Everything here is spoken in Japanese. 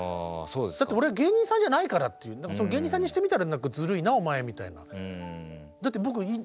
だって「俺芸人さんじゃないから」っていう芸人さんにしてみたら「ずるいなお前」みたいな。